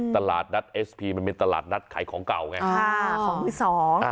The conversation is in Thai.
ตลาดนัดเอสพีมันเป็นตลาดนัดขายของเก่าไงค่ะของที่สองอ่า